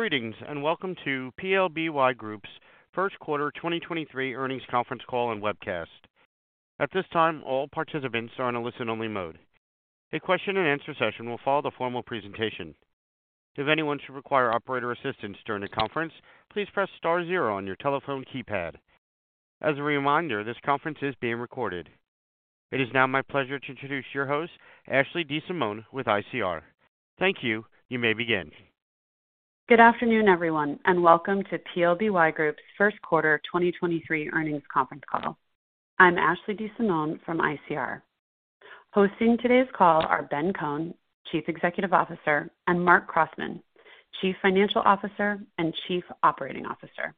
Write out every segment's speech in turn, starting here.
Greetings, welcome to PLBY Group's first quarter 2023 earnings conference call and webcast. At this time, all participants are in a listen-only mode. A question and answer session will follow the formal presentation. If anyone should require operator assistance during the conference, please press star zero on your telephone keypad. As a reminder, this conference is being recorded. It is now my pleasure to introduce your host, Ashley DeSimone with ICR. Thank you. You may begin. Good afternoon, everyone, and welcome to PLBY Group's first quarter 2023 earnings conference call. I'm Ashley DeSimone from ICR. Hosting today's call are Ben Kohn, Chief Executive Officer, and Marc Crossman, Chief Financial Officer and Chief Operating Officer.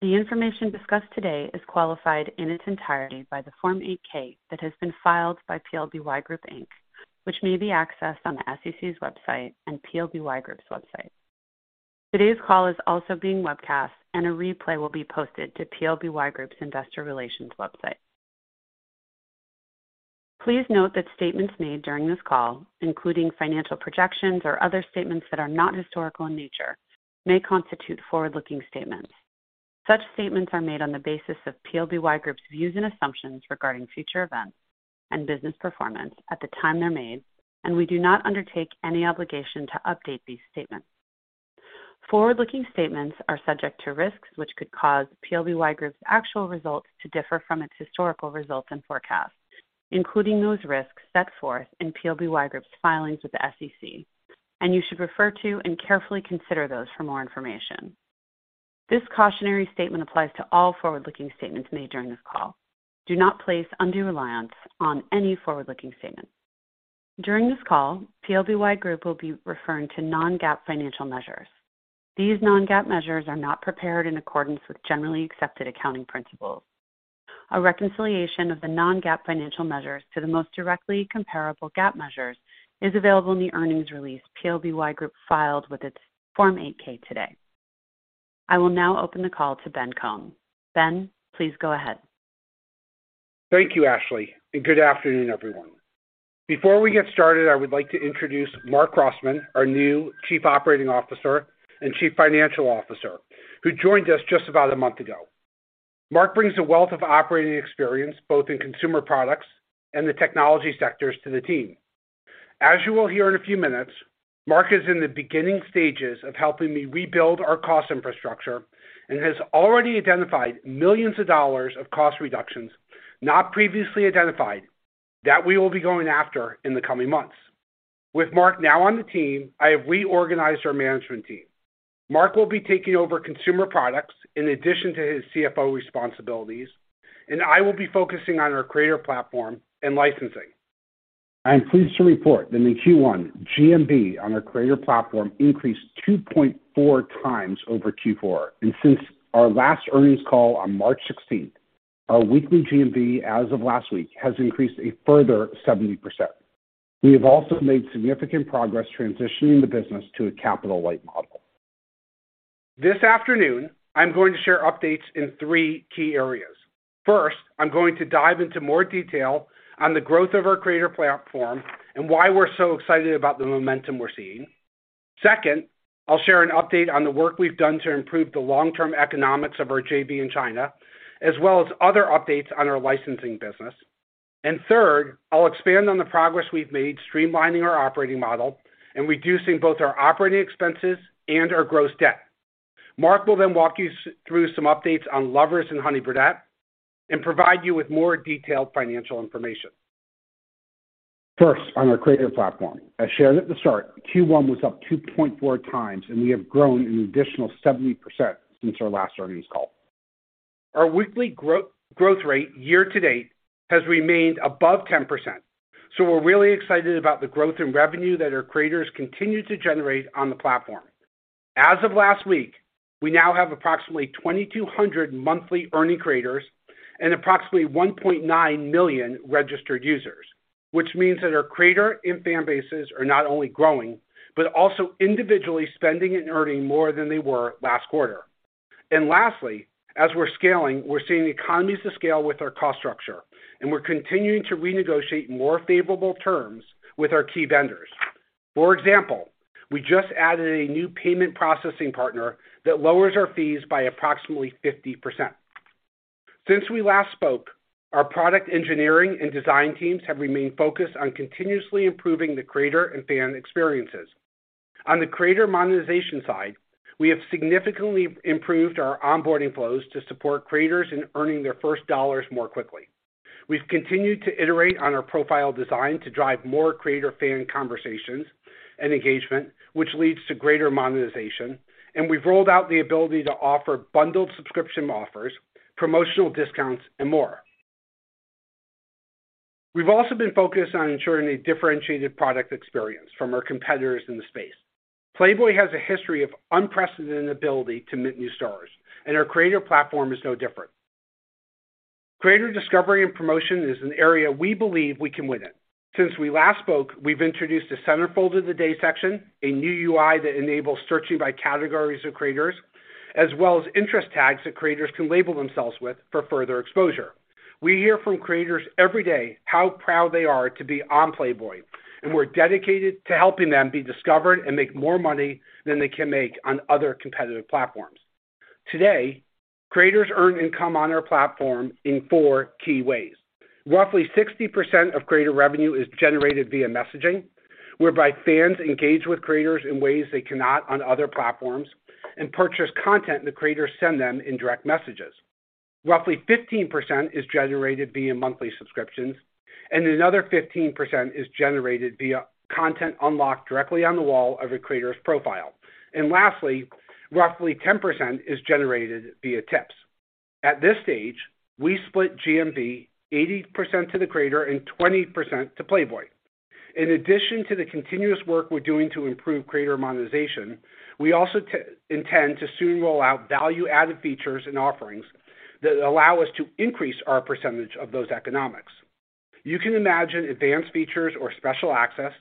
The information discussed today is qualified in its entirety by the Form 8-K that has been filed by PLBY Group, Inc. which may be accessed on the SEC's website and PLBY Group's website. Today's call is also being webcast, and a replay will be posted to PLBY Group's investor relations website. Please note that statements made during this call, including financial projections or other statements that are not historical in nature, may constitute forward-looking statements. Such statements are made on the basis of PLBY Group's views and assumptions regarding future events and business performance at the time they're made, and we do not undertake any obligation to update these statements. Forward-looking statements are subject to risks which could cause PLBY Group's actual results to differ from its historical results and forecasts, including those risks set forth in PLBY Group's filings with the SEC. You should refer to and carefully consider those for more information. This cautionary statement applies to all forward-looking statements made during this call. Do not place undue reliance on any forward-looking statements. During this call, PLBY Group will be referring to non-GAAP financial measures. These non-GAAP measures are not prepared in accordance with generally accepted accounting principles. A reconciliation of the non-GAAP financial measures to the most directly comparable GAAP measures is available in the earnings release PLBY Group filed with its Form 8-K today. I will now open the call to Ben Kohn. Ben, please go ahead. Thank you, Ashley, and good afternoon, everyone. Before we get started, I would like to introduce Marc Crossman, our new Chief Operating Officer and Chief Financial Officer, who joined us just about a month ago. Marc brings a wealth of operating experience, both in consumer products and the technology sectors to the team. As you will hear in a few minutes, Marc is in the beginning stages of helping me rebuild our cost infrastructure and has already identified millions of dollars of cost reductions not previously identified that we will be going after in the coming months. With Marc now on the team, I have reorganized our management team. Marc will be taking over consumer products in addition to his CFO responsibilities, and I will be focusing on our creator platform and licensing. I am pleased to report that in Q1, GMV on our creator platform increased 2.4 times over Q4. Since our last earnings call on March 16th, our weekly GMV as of last week has increased a further 70%. We have also made significant progress transitioning the business to a capital light model. This afternoon, I'm going to share updates in three key areas. First, I'm going to dive into more detail on the growth of our creator platform and why we're so excited about the momentum we're seeing. Second, I'll share an update on the work we've done to improve the long-term economics of our JV in China, as well as other updates on our licensing business. Third, I'll expand on the progress we've made streamlining our operating model and reducing both our operating expenses and our gross debt. Marc will then walk you through some updates on Lovers and Honey Birdette and provide you with more detailed financial information. First, on our creator platform. As shared at the start, Q1 was up 2.4 times, and we have grown an additional 70% since our last earnings call. Our weekly growth rate year-to-date has remained above 10%, so we're really excited about the growth in revenue that our creators continue to generate on the platform. As of last week, we now have approximately 2,200 monthly earning creators and approximately 1.9 million registered users, which means that our creator and fan bases are not only growing, but also individually spending and earning more than they were last quarter. Lastly, as we're scaling, we're seeing economies of scale with our cost structure, and we're continuing to renegotiate more favorable terms with our key vendors. For example, we just added a new payment processing partner that lowers our fees by approximately 50%. Since we last spoke, our product engineering and design teams have remained focused on continuously improving the creator and fan experiences. On the creator monetization side, we have significantly improved our onboarding flows to support creators in earning their first dollars more quickly. We've continued to iterate on our profile design to drive more creator-fan conversations and engagement, which leads to greater monetization, and we've rolled out the ability to offer bundled subscription offers, promotional discounts, and more. We've also been focused on ensuring a differentiated product experience from our competitors in the space. Playboy has a history of unprecedented ability to mint new stars, and our creator platform is no different. Creator discovery and promotion is an area we believe we can win in. Since we last spoke, we've introduced a centerfold of the day section, a new UI that enables searching by categories of creators, as well as interest tags that creators can label themselves with for further exposure. We hear from creators every day how proud they are to be on Playboy, and we're dedicated to helping them be discovered and make more money than they can make on other competitive platforms. Today, creators earn income on our platform in four key ways. Roughly 60% of creator revenue is generated via messaging, whereby fans engage with creators in ways they cannot on other platforms and purchase content the creators send them in direct messages. Roughly 15% is generated via monthly subscriptions, another 15% is generated via content unlocked directly on the wall of a creator's profile. Lastly, roughly 10% is generated via tips. At this stage, we split GMV 80% to the creator and 20% to Playboy. In addition to the continuous work we're doing to improve creator monetization, we also intend to soon roll out value-added features and offerings that allow us to increase our percentage of those economics. You can imagine advanced features or special access,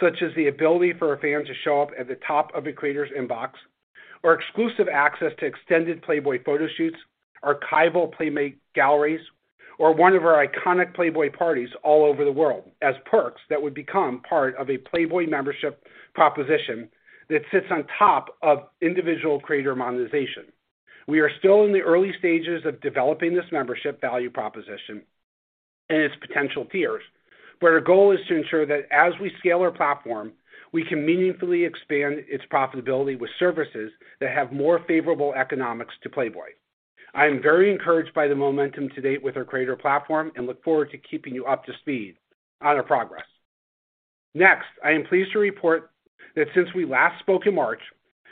such as the ability for a fan to show up at the top of a creator's inbox or exclusive access to extended Playboy photoshoots, archival Playmate galleries, or one of our iconic Playboy parties all over the world as perks that would become part of a Playboy membership proposition that sits on top of individual creator monetization. We are still in the early stages of developing this membership value proposition and its potential tiers, but our goal is to ensure that as we scale our platform, we can meaningfully expand its profitability with services that have more favorable economics to Playboy. I am very encouraged by the momentum to date with our creator platform and look forward to keeping you up to speed on our progress. I am pleased to report that since we last spoke in March,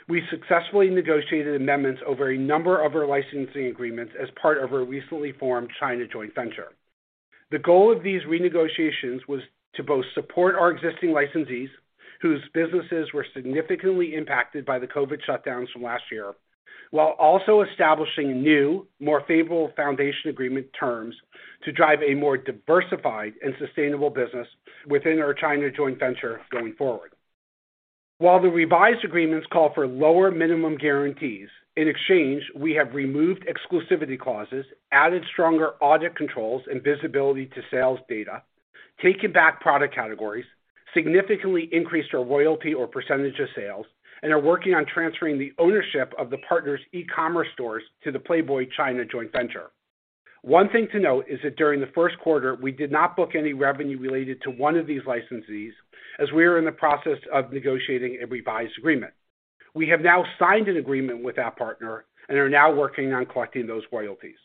we successfully negotiated amendments over a number of our licensing agreements as part of our recently formed China joint venture. The goal of these renegotiations was to both support our existing licensees, whose businesses were significantly impacted by the COVID shutdowns from last year, while also establishing new, more favorable foundation agreement terms to drive a more diversified and sustainable business within our China joint venture going forward. While the revised agreements call for lower minimum guarantees, in exchange, we have removed exclusivity clauses, added stronger audit controls and visibility to sales data, taken back product categories, significantly increased our royalty or percentage of sales, and are working on transferring the ownership of the partner's e-commerce stores to the Playboy China joint venture. One thing to note is that during the first quarter, we did not book any revenue related to one of these licensees as we were in the process of negotiating a revised agreement. We have now signed an agreement with that partner and are now working on collecting those royalties.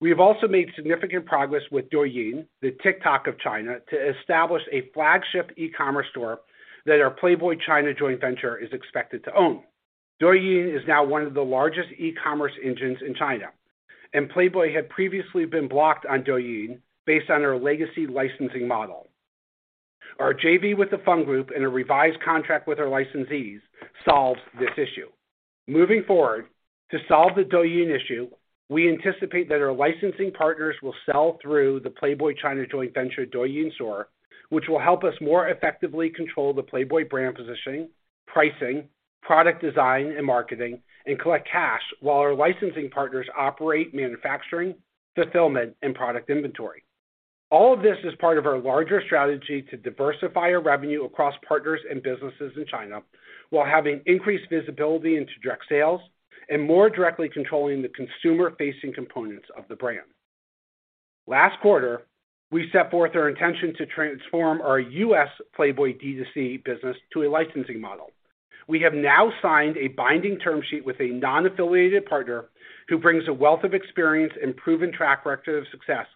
We have also made significant progress with Douyin, the TikTok of China, to establish a flagship e-commerce store that our Playboy China joint venture is expected to own. Douyin is now one of the largest e-commerce engines in China, and Playboy had previously been blocked on Douyin based on our legacy licensing model. Our JV with the Fung Group and a revised contract with our licensees solves this issue. Moving forward, to solve the Douyin issue, we anticipate that our licensing partners will sell through the Playboy China joint venture Douyin store, which will help us more effectively control the Playboy brand positioning, pricing, product design, and marketing, and collect cash while our licensing partners operate manufacturing, fulfillment, and product inventory. All of this is part of our larger strategy to diversify our revenue across partners and businesses in China while having increased visibility into direct sales and more directly controlling the consumer-facing components of the brand. Last quarter, we set forth our intention to transform our U.S. Playboy D2C business to a licensing model. We have now signed a binding term sheet with a non-affiliated partner who brings a wealth of experience and proven track record of success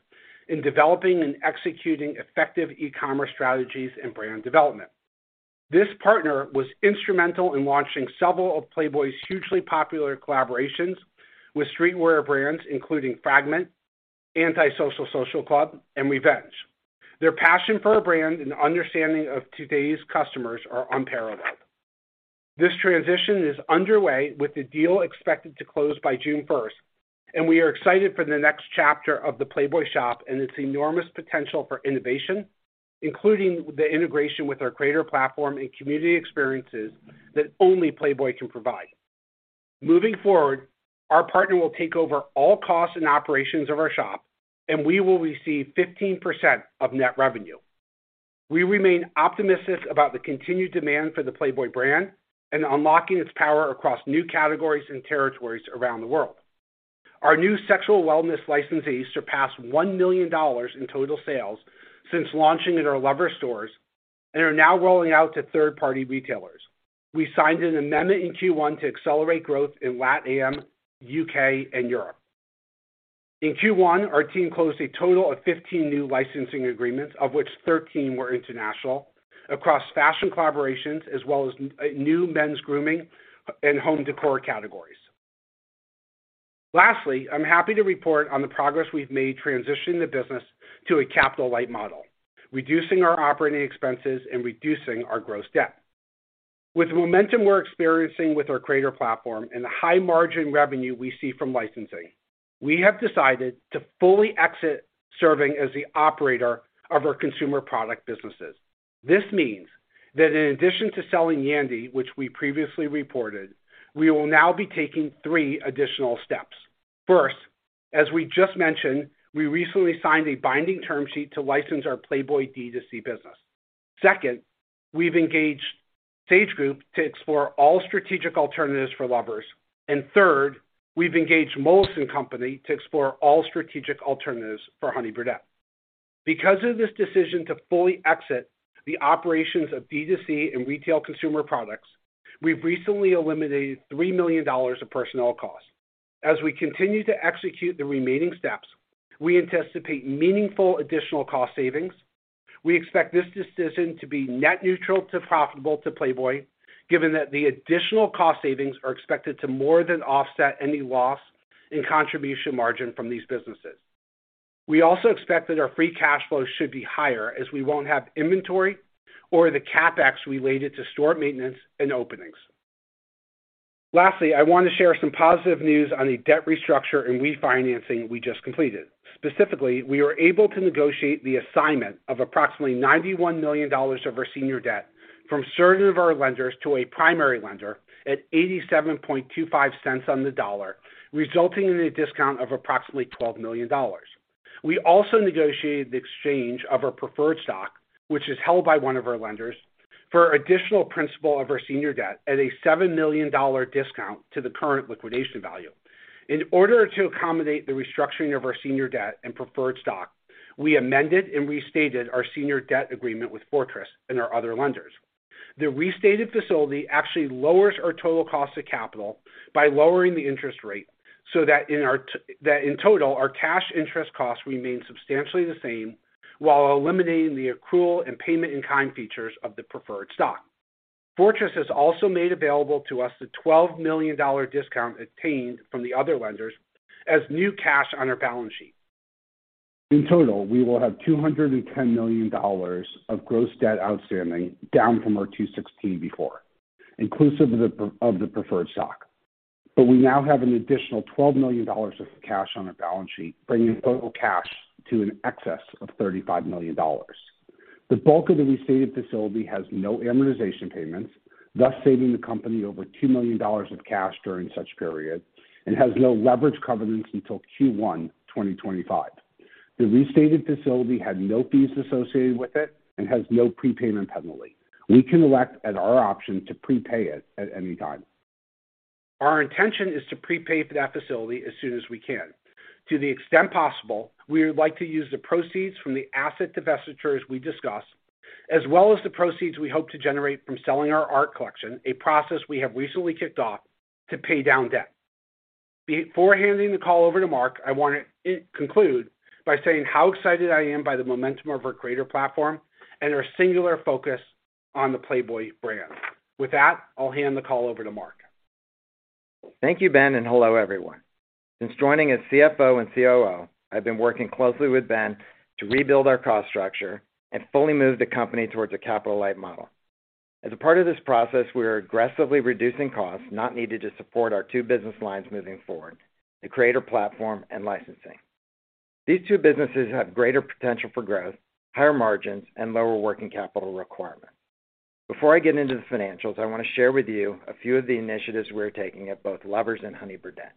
in developing and executing effective e-commerce strategies and brand development. This partner was instrumental in launching several of Playboy's hugely popular collaborations with streetwear brands, including fragment design, Anti Social Social Club, and Revenge. Their passion for our brand and understanding of today's customers are unparalleled. This transition is underway with the deal expected to close by June first, and we are excited for the next chapter of the Playboy shop and its enormous potential for innovation, including the integration with our creator platform and community experiences that only Playboy can provide. Moving forward, our partner will take over all costs and operations of our shop, and we will receive 15% of net revenue. We remain optimistic about the continued demand for the Playboy brand and unlocking its power across new categories and territories around the world. Our new sexual wellness licensee surpassed $1 million in total sales since launching at our Lovers stores and are now rolling out to third-party retailers. We signed an amendment in Q1 to accelerate growth in LatAm, UK, and Europe. In Q1, our team closed a total of 15 new licensing agreements, of which 13 were international, across fashion collaborations as well as new men's grooming and home decor categories. Lastly, I'm happy to report on the progress we've made transitioning the business to a capital-light model, reducing our operating expenses and reducing our gross debt. With the momentum we're experiencing with our creator platform and the high margin revenue we see from licensing, we have decided to fully exit serving as the operator of our consumer product businesses. This means that in addition to selling Yandy, which we previously reported, we will now be taking three additional steps. First, as we just mentioned, we recently signed a binding term sheet to license our Playboy D2C business. Second, we've engaged the Sage Group to explore all strategic alternatives for Lovers. Third, we've engaged Moelis & Company to explore all strategic alternatives for Honey Birdette. Because of this decision to fully exit the operations of D2C and retail consumer products, we've recently eliminated $3 million of personnel costs. As we continue to execute the remaining steps, we anticipate meaningful additional cost savings. We expect this decision to be net neutral to profitable to Playboy, given that the additional cost savings are expected to more than offset any loss in contribution margin from these businesses. We also expect that our free cash flow should be higher, as we won't have inventory or the CapEx related to store maintenance and openings. Lastly, I want to share some positive news on a debt restructure and refinancing we just completed. Specifically, we were able to negotiate the assignment of approximately $91 million of our senior debt from certain of our lenders to a primary lender at $0.8725 on the dollar, resulting in a discount of approximately $12 million. We also negotiated the exchange of our preferred stock, which is held by one of our lenders, for additional principal of our senior debt at a $7 million discount to the current liquidation value. In order to accommodate the restructuring of our senior debt and preferred stock, we amended and restated our senior debt agreement with Fortress and our other lenders. The restated facility actually lowers our total cost of capital by lowering the interest rate so that in total, our cash interest costs remain substantially the same while eliminating the accrual and payment in kind features of the preferred stock. Fortress has also made available to us the $12 million discount obtained from the other lenders as new cash on our balance sheet. In total, we will have $210 million of gross debt outstanding, down from our $216 million before, inclusive of the preferred stock. We now have an additional $12 million of cash on our balance sheet, bringing total cash to an excess of $35 million. The bulk of the restated facility has no amortization payments, thus saving the company over $2 million of cash during such period and has no leverage covenants until Q1, 2025. The restated facility had no fees associated with it and has no prepayment penalty. We can elect at our option to prepay it at any time. Our intention is to prepay for that facility as soon as we can. To the extent possible, we would like to use the proceeds from the asset divestitures we discussed, as well as the proceeds we hope to generate from selling our art collection, a process we have recently kicked off to pay down debt. Before handing the call over to Marc, I want to conclude by saying how excited I am by the momentum of our creator platform and our singular focus on the Playboy brand. With that, I'll hand the call over to Marc. Thank you, Ben, and hello, everyone. Since joining as CFO and COO, I've been working closely with Ben to rebuild our cost structure and fully move the company towards a capital-light model. As a part of this process, we are aggressively reducing costs not needed to support our two business lines moving forward, the creator platform and licensing. These two businesses have greater potential for growth, higher margins, and lower working capital requirements. Before I get into the financials, I want to share with you a few of the initiatives we are taking at both Lovers and Honey Birdette.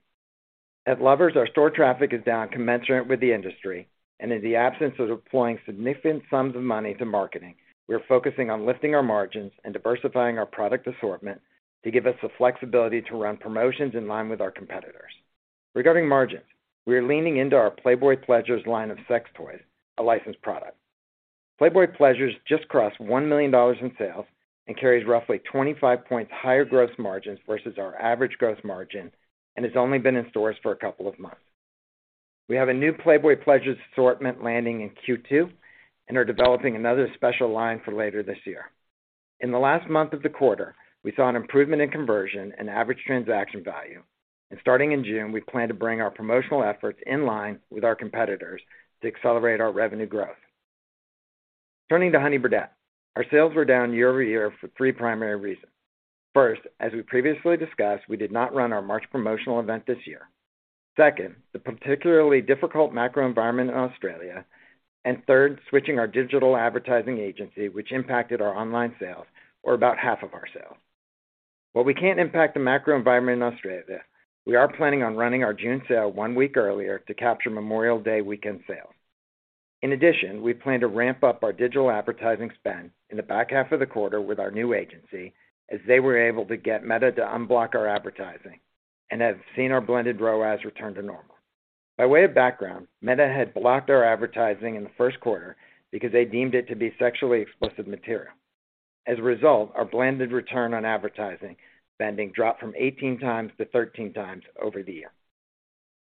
At Lovers, our store traffic is down commensurate with the industry, and in the absence of deploying significant sums of money to marketing, we are focusing on lifting our margins and diversifying our product assortment to give us the flexibility to run promotions in line with our competitors. Regarding margins, we are leaning into our Playboy Pleasures line of sex toys, a licensed product. Playboy Pleasures just crossed $1 million in sales and carries roughly 25 points higher gross margins versus our average gross margin and has only been in stores for a couple of months. We have a new Playboy Pleasures assortment landing in Q2 and are developing another special line for later this year. Starting in June, we plan to bring our promotional efforts in line with our competitors to accelerate our revenue growth. Turning to Honey Birdette, our sales were down year-over-year for three primary reasons. First, as we previously discussed, we did not run our March promotional event this year. Second, the particularly difficult macro environment in Australia. Third, switching our digital advertising agency, which impacted our online sales or about half of our sales. While we can't impact the macro environment in Australia, we are planning on running our June sale one week earlier to capture Memorial Day weekend sales. In addition, we plan to ramp up our digital advertising spend in the back half of the quarter with our new agency as they were able to get Meta to unblock our advertising and have seen our blended ROAS return to normal. By way of background, Meta had blocked our advertising in the first quarter because they deemed it to be sexually explicit material. As a result, our blended return on advertising spending dropped from 18 times to 13 times over the year.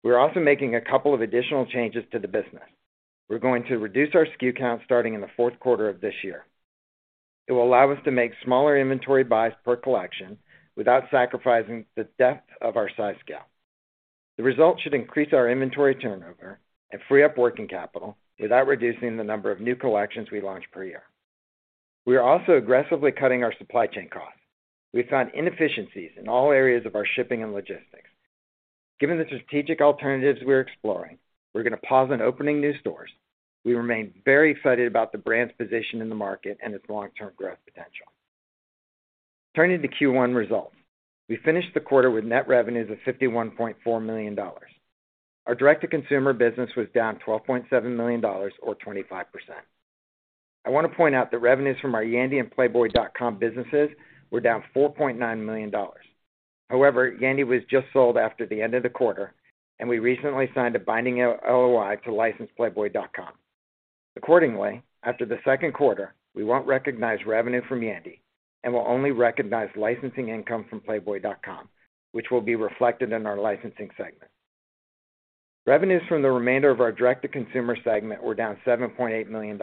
We're also making a couple of additional changes to the business. We're going to reduce our SKU count starting in the fourth quarter of this year. It will allow us to make smaller inventory buys per collection without sacrificing the depth of our size scale. The result should increase our inventory turnover and free up working capital without reducing the number of new collections we launch per year. We are also aggressively cutting our supply chain costs. We found inefficiencies in all areas of our shipping and logistics. Given the strategic alternatives we're exploring, we're gonna pause on opening new stores. We remain very excited about the brand's position in the market and its long-term growth potential. Turning to Q1 results, we finished the quarter with net revenues of $51.4 million. Our direct-to-consumer business was down $12.7 million or 25%. I wanna point out that revenues from our Yandy and Playboy.com businesses were down $4.9 million. However, Yandy was just sold after the end of the quarter, and we recently signed a binding LOI to license Playboy.com. Accordingly, after the second quarter, we won't recognize revenue from Yandy and will only recognize licensing income from Playboy.com, which will be reflected in our licensing segment. Revenues from the remainder of our direct-to-consumer segment were down $7.8 million.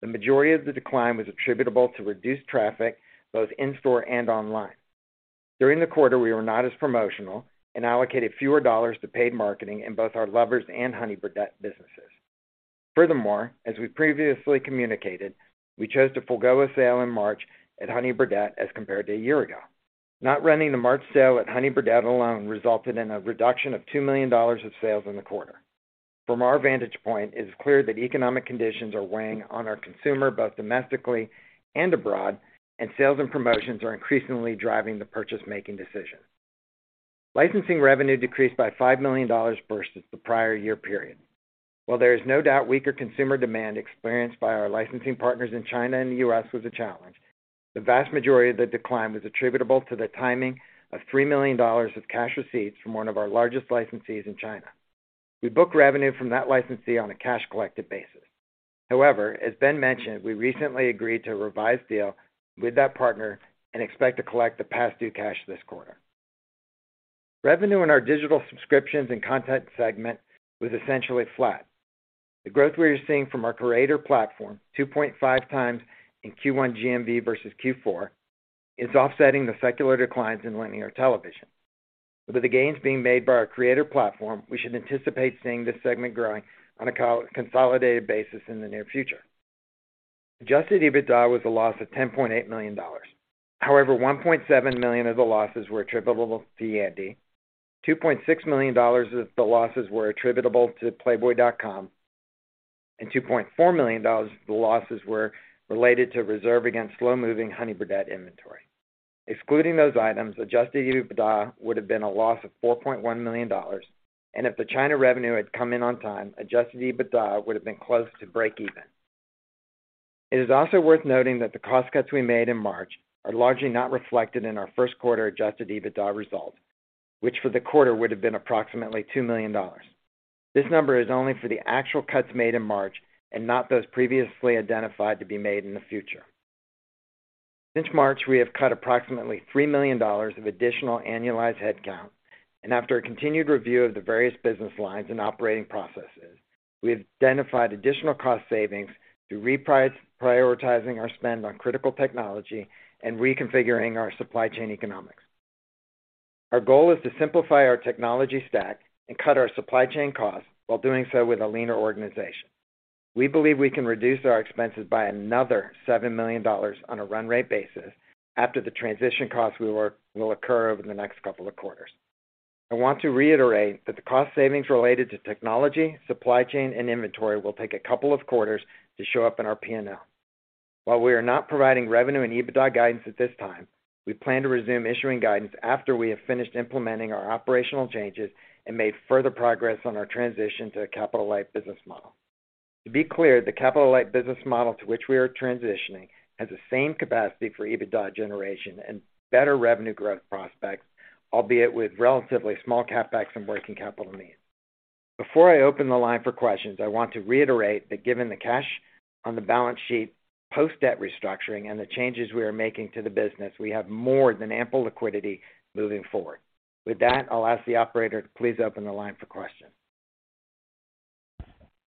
The majority of the decline was attributable to reduced traffic, both in-store and online. During the quarter, we were not as promotional and allocated fewer dollars to paid marketing in both our Lovers and Honey Birdette businesses. Furthermore, as we previously communicated, we chose to forego a sale in March at Honey Birdette as compared to a year ago. Not running the March sale at Honey Birdette alone resulted in a reduction of $2 million of sales in the quarter. From our vantage point, it is clear that economic conditions are weighing on our consumer, both domestically and abroad. Sales and promotions are increasingly driving the purchase-making decision. Licensing revenue decreased by $5 million versus the prior year period. While there is no doubt weaker consumer demand experienced by our licensing partners in China and the U.S. was a challenge, the vast majority of the decline was attributable to the timing of $3 million of cash receipts from one of our largest licensees in China. We book revenue from that licensee on a cash collected basis. However, as Ben mentioned, we recently agreed to a revised deal with that partner and expect to collect the past due cash this quarter. Revenue in our digital subscriptions and content segment was essentially flat. The growth we are seeing from our creator platform, 2.5 times in Q1 GMV versus Q4, is offsetting the secular declines in linear television. With the gains being made by our creator platform, we should anticipate seeing this segment growing on a consolidated basis in the near future. Adjusted EBITDA was a loss of $10.8 million. However, $1.7 million of the losses were attributable to Yandy, $2.6 million of the losses were attributable to Playboy.com, and $2.4 million of the losses were related to a reserve against slow-moving Honey Birdette inventory. Excluding those items, Adjusted EBITDA would have been a loss of $4.1 million, and if the China revenue had come in on time, Adjusted EBITDA would have been close to breakeven. It is also worth noting that the cost cuts we made in March are largely not reflected in our first quarter Adjusted EBITDA results, which for the quarter would have been approximately $2 million. This number is only for the actual cuts made in March and not those previously identified to be made in the future. Since March, we have cut approximately $3 million of additional annualized headcount. After a continued review of the various business lines and operating processes, we have identified additional cost savings through prioritizing our spend on critical technology and reconfiguring our supply chain economics. Our goal is to simplify our technology stack and cut our supply chain costs while doing so with a leaner organization. We believe we can reduce our expenses by another $7 million on a run rate basis after the transition costs will occur over the next couple of quarters. I want to reiterate that the cost savings related to technology, supply chain, and inventory will take a couple of quarters to show up in our P&L. While we are not providing revenue and EBITDA guidance at this time, we plan to resume issuing guidance after we have finished implementing our operational changes and made further progress on our transition to a capital-light business model. To be clear, the capital-light business model to which we are transitioning has the same capacity for EBITDA generation and better revenue growth prospects, albeit with relatively small CapEx and working capital needs. Before I open the line for questions, I want to reiterate that given the cash on the balance sheet post debt restructuring and the changes we are making to the business, we have more than ample liquidity moving forward. With that, I'll ask the operator to please open the line for questions.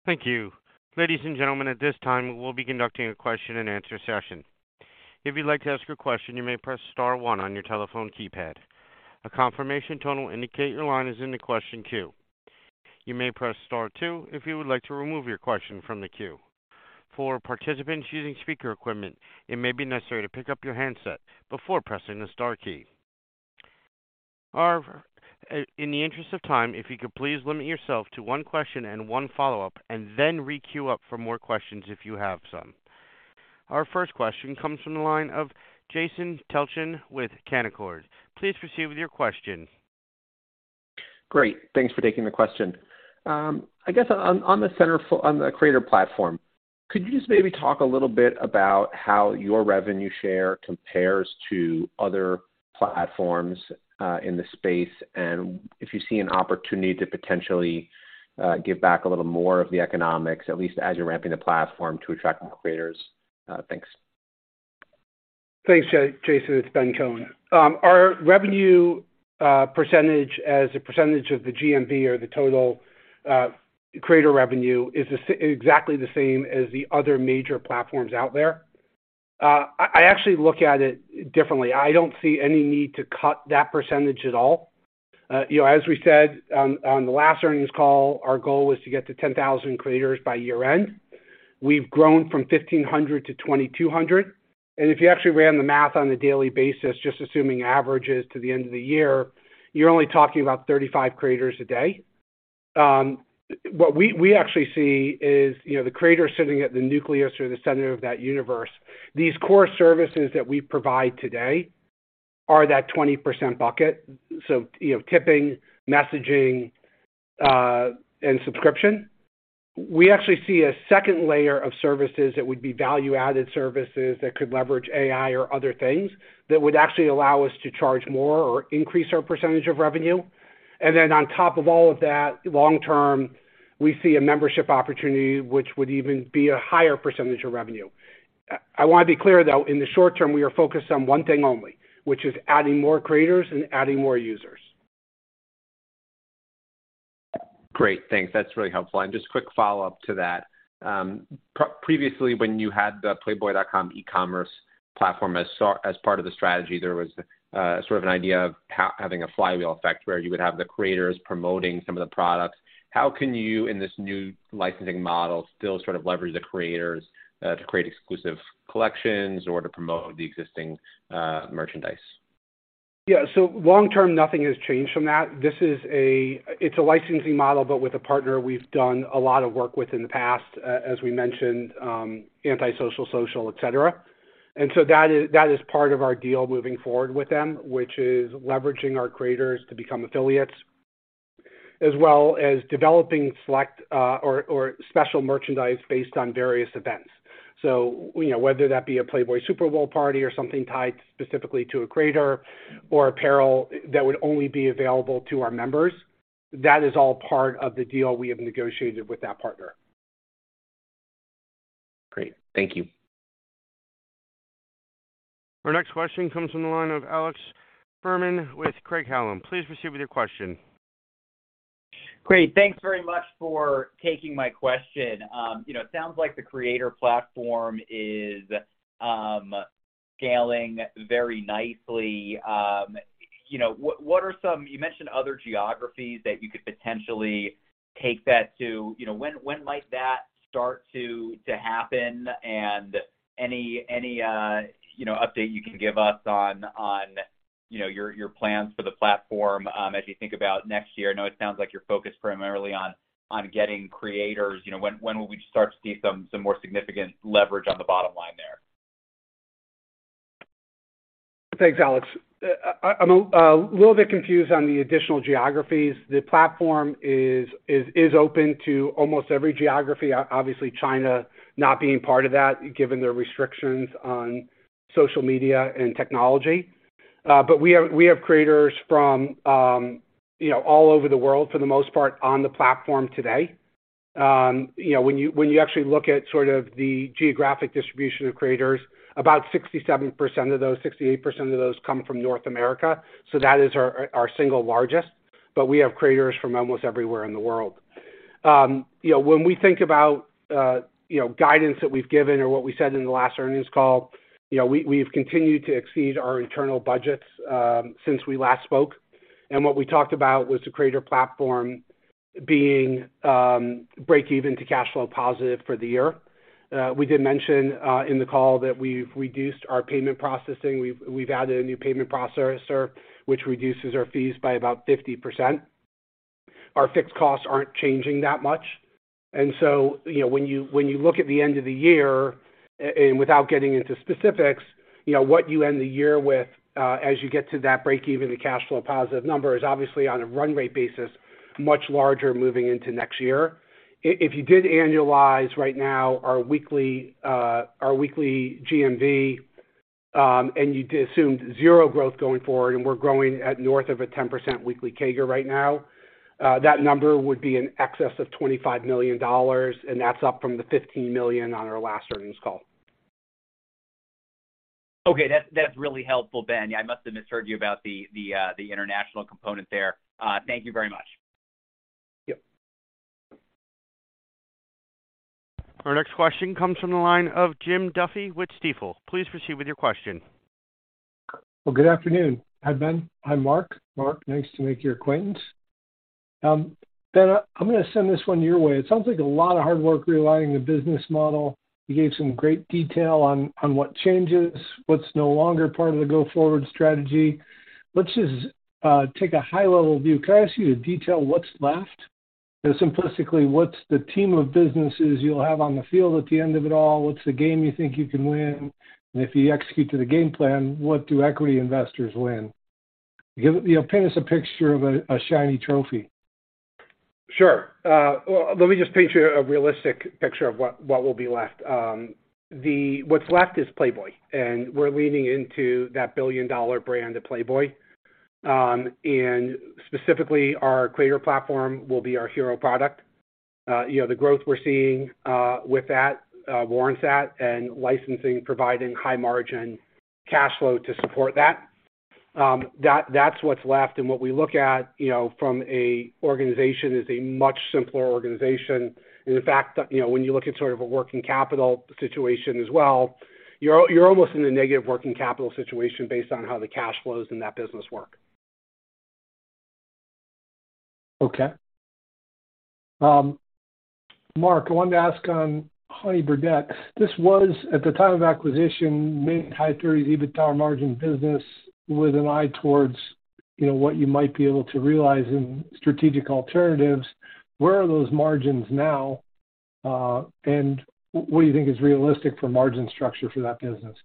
Thank you. Ladies and gentlemen, at this time, we'll be conducting a question-and-answer session. If you'd like to ask a question, you may press star one on your telephone keypad. A confirmation tone will indicate your line is in the question queue. You may press star two if you would like to remove your question from the queue. For participants using speaker equipment, it may be necessary to pick up your handset before pressing the star key. In the interest of time, if you could please limit yourself to one question and one follow-up and then re-queue up for more questions if you have some. Our first question comes from the line of Jason Tilchen with Canaccord. Please proceed with your question. Great. Thanks for taking the question. I guess on the creator platform, could you just maybe talk a little bit about how your revenue share compares to other platforms in the space and if you see an opportunity to potentially give back a little more of the economics at least as you're ramping the platform to attract more creators? Thanks. Thanks, Jason. It's Ben Kohn. Our revenue percentage as a percentage of the GMV or the total creator revenue is exactly the same as the other major platforms out there. I actually look at it differently. I don't see any need to cut that percentage at all. You know, as we said on the last earnings call, our goal was to get to 10,000 creators by year-end. We've grown from 1,500 to 2,200. If you actually ran the math on a daily basis, just assuming averages to the end of the year, you're only talking about 35 creators a day. What we actually see is, you know, the creator sitting at the nucleus or the center of that universe. These core services that we provide today are that 20% bucket, so, you know, tipping, messaging, and subscription. We actually see a second layer of services that would be value-added services that could leverage AI or other things that would actually allow us to charge more or increase our % of revenue. Then on top of all of that, long term, we see a membership opportunity which would even be a higher % of revenue. I want to be clear, though, in the short term, we are focused on 1 thing only, which is adding more creators and adding more users. Great. Thanks. That's really helpful. Just quick follow-up to that. Previously, when you had the Playboy.com e-commerce platform as part of the strategy, there was sort of an idea of having a flywheel effect where you would have the creators promoting some of the products. How can you, in this new licensing model, still sort of leverage the creators to create exclusive collections or to promote the existing merchandise? Long term, nothing has changed from that. It's a licensing model, but with a partner we've done a lot of work with in the past, as we mentioned, Anti Social Social Club, et cetera. That is part of our deal moving forward with them, which is leveraging our creators to become affiliates, as well as developing select or special merchandise based on various events. You know, whether that be a Playboy Super Bowl party or something tied specifically to a creator or apparel that would only be available to our members, that is all part of the deal we have negotiated with that partner. Great. Thank you. Our next question comes from the line of Alex Fuhrman with Craig-Hallum. Please proceed with your question. Great. Thanks very much for taking my question. You know, it sounds like the creator platform is scaling very nicely. You know, what are some... You mentioned other geographies that you could potentially take that to. You know, when might that start to happen? Any, any, you know, update you can give us on, you know, your plans for the platform, as you think about next year. I know it sounds like you're focused primarily on getting creators. You know, when will we start to see some more significant leverage on the bottom line there? Thanks, Alex. I'm a little bit confused on the additional geographies. The platform is open to almost every geography, obviously, China not being part of that, given their restrictions on social media and technology. We have creators from, you know, all over the world, for the most part, on the platform today. You know, when you actually look at sort of the geographic distribution of creators, about 67% of those, 68% of those come from North America. That is our single largest. We have creators from almost everywhere in the world. You know, when we think about, you know, guidance that we've given or what we said in the last earnings call, you know, we've continued to exceed our internal budgets since we last spoke. What we talked about was the creator platform being break even to cash flow positive for the year. We did mention in the call that we've reduced our payment processing. We've added a new payment processor which reduces our fees by about 50%. Our fixed costs aren't changing that much. You know, when you look at the end of the year, and without getting into specifics, you know, what you end the year with, as you get to that break even to cash flow positive number is obviously on a run rate basis, much larger moving into next year. If you did annualize right now our weekly, our weekly GMV, and you assumed zero growth going forward, and we're growing at north of a 10% weekly CAGR right now, that number would be in excess of $25 million, and that's up from the $15 million on our last earnings call. Okay. That's really helpful, Ben. I must have misheard you about the international component there. Thank you very much. Yep. Our next question comes from the line of Jim Duffy with Stifel. Please proceed with your question. Good afternoon. Hi, Ben. Hi, Marc. Marc, nice to make your acquaintance. Ben, I'm gonna send this one your way. It sounds like a lot of hard work realigning the business model. You gave some great detail on what changes, what's no longer part of the go-forward strategy. Let's just take a high-level view. Can I ask you to detail what's left? You know, simplistically, what's the team of businesses you'll have on the field at the end of it all? What's the game you think you can win? If you execute to the game plan, what do equity investors win? You know, paint us a picture of a shiny trophy. Sure. Well, let me just paint you a realistic picture of what will be left. What's left is Playboy, and we're leaning into that billion-dollar brand of Playboy. Specifically, our creator platform will be our hero product. You know, the growth we're seeing with that warrants that and licensing providing high margin cash flow to support that. That's what's left. What we look at, you know, from an organization is a much simpler organization. In fact, you know, when you look at sort of a working capital situation as well, you're almost in a negative working capital situation based on how the cash flows in that business work. Marc, I wanted to ask on Honey Birdette. This was, at the time of acquisition, mid to high 30s EBITDA margin business with an eye towards, you know, what you might be able to realize in strategic alternatives. Where are those margins now, and what do you think is realistic for margin structure for that business?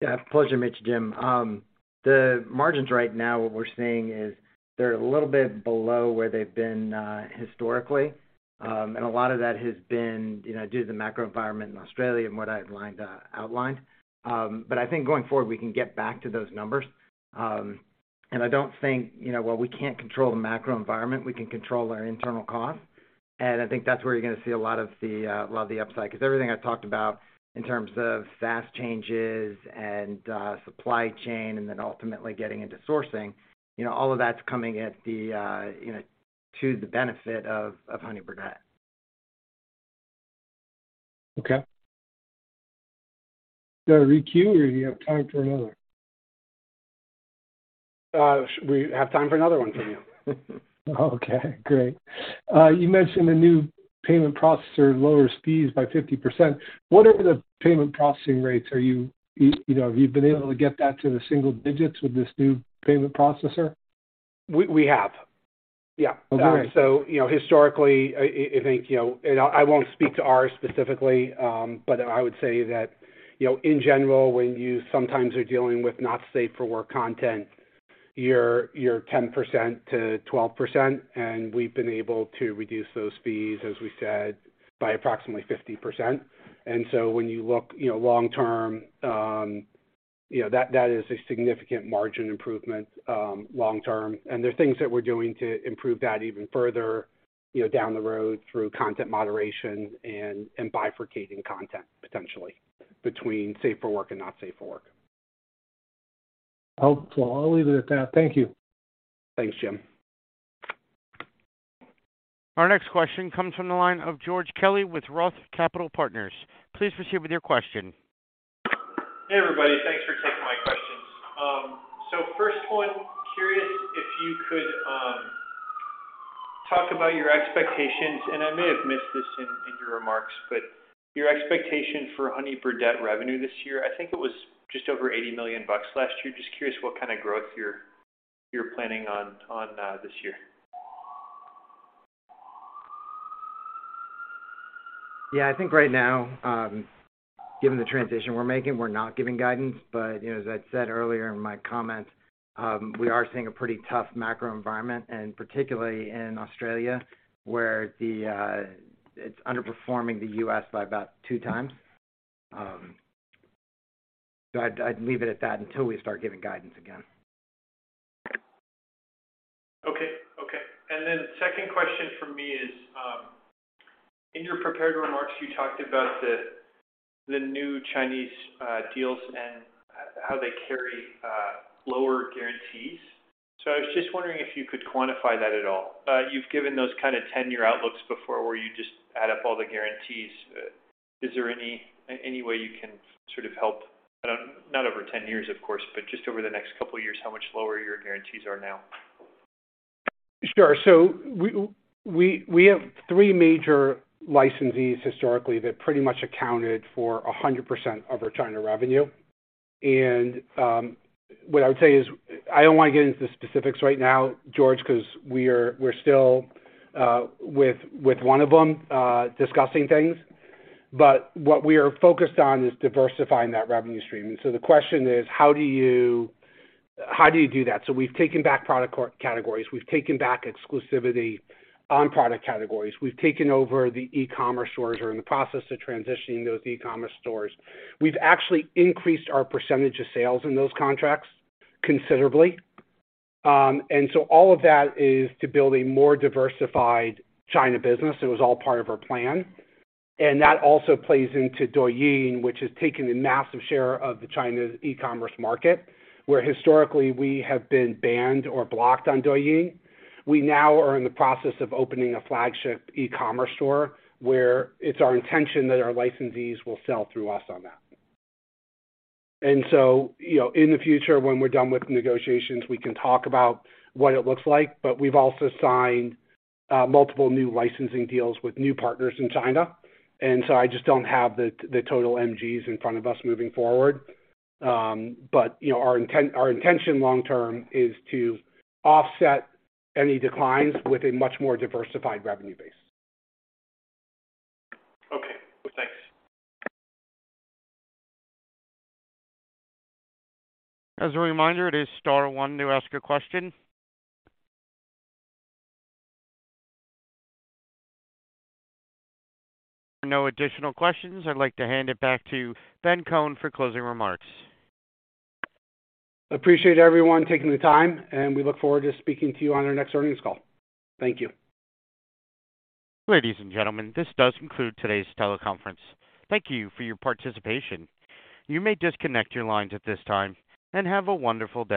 Yeah, pleasure to meet you, Jim. The margins right now, what we're seeing is they're a little bit below where they've been historically. A lot of that has been, you know, due to the macro environment in Australia and what I've outlined. I think going forward, we can get back to those numbers. I don't think, you know while we can't control the macro environment, we can control our internal costs. I think that's where you're gonna see a lot of the lot of the upside, 'cause everything I've talked about in terms of SaaS changes and supply chain and then ultimately getting into sourcing, you know, all of that's coming at the, you know, to the benefit of Honey Birdette. Okay. Do I re que or do you have time for another? We have time for another one from you. Okay, great. You mentioned the new payment processor lowers fees by 50%. What are the payment processing rates? Are you know, have you been able to get that to the single digits with this new payment processor? We have, yeah. Oh, great. You know, historically, I think, you know, and I won't speak to ours specifically, but I would say that, you know, in general, when you sometimes are dealing with not safe for work content, you're 10%-12%, and we've been able to reduce those fees, as we said, by approximately 50%. When you look, you know, long term, you know, that is a significant margin improvement, long term. There are things that we're doing to improve that even further, you know, down the road through content moderation and bifurcating content potentially between safe for work and not safe for work. Helpful. I'll leave it at that. Thank you. Thanks, Jim. Our next question comes from the line of George Kelly with ROTH Capital Partners. Please proceed with your question. Hey, everybody. Thanks for taking my questions. First one, curious if you could talk about your expectations, and I may have missed this in your remarks, but your expectation for Honey Birdette revenue this year. I think it was just over $80 million last year. Just curious what kind of growth you're planning on this year. Yeah. I think right now, given the transition we're making, we're not giving guidance. You know, as I said earlier in my comments, we are seeing a pretty tough macro environment, particularly in Australia, where the it's underperforming the US by about two times. I'd leave it at that until we start giving guidance again. Okay. Okay. Second question from me is, in your prepared remarks, you talked about the new Chinese deals and how they carry lower guarantees. I was just wondering if you could quantify that at all. You've given those kinda 10-year outlooks before where you just add up all the guarantees. Is there any way you can sort of help, I don't... Not over 10 years, of course, but just over the next couple years, how much lower your guarantees are now? Sure. We have three major licensees historically that pretty much accounted for 100% of our China revenue. What I would say is I don't wanna get into the specifics right now, George, 'cause we're still with one of them discussing things. What we are focused on is diversifying that revenue stream. The question is: How do you do that? We've taken back product categories. We've taken back exclusivity on product categories. We've taken over the e-commerce stores. We're in the process of transitioning those e-commerce stores. We've actually increased our percentage of sales in those contracts considerably. All of that is to build a more diversified China business. It was all part of our plan. That also plays into Douyin, which has taken a massive share of the China's e-commerce market. Where historically we have been banned or blocked on Douyin, we now are in the process of opening a flagship e-commerce store where it's our intention that our licensees will sell through us on that. You know, in the future, when we're done with negotiations, we can talk about what it looks like. We've also signed multiple new licensing deals with new partners in China. I just don't have the total MGs in front of us moving forward. You know, our intention long term is to offset any declines with a much more diversified revenue base. Okay. Thanks. As a reminder, it is star one to ask a question. No additional questions. I'd like to hand it back to Ben Kohn for closing remarks. Appreciate everyone taking the time, and we look forward to speaking to you on our next earnings call. Thank you. Ladies and gentlemen, this does conclude today's teleconference. Thank you for your participation. You may disconnect your lines at this time, and have a wonderful day.